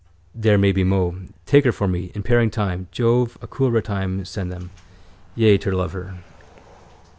There be many mo. Take her for me. In pairing time. Jove, a cool ruttime send them. Yea, turtledove her.